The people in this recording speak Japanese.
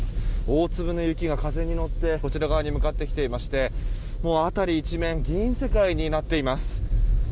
大粒の雪が風に乗ってこちら側に向かってきていましてもう辺り一面銀世界になっています。